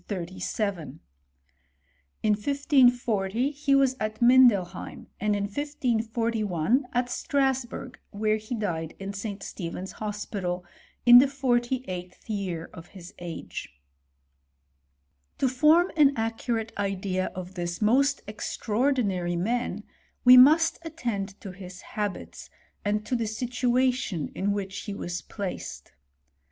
t In 1540 he was at Mindelheim, and in 1541, at Strasburg, where he died, in St. Stephen's hospital, in the forty eiglith year of his age. To form an accurate idea of this most extraordinary man, we must attend to his habits, and to the situa tion in which he was placed.